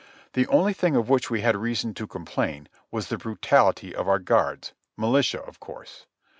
The only thing of which we had reason to complain was the brutality of our guards, militia of course.